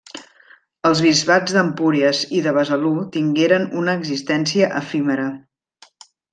Els bisbats d'Empúries i de Besalú tingueren una existència efímera.